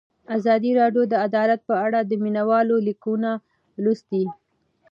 ازادي راډیو د عدالت په اړه د مینه والو لیکونه لوستي.